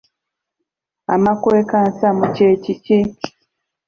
Amakwekansaamu kye ki?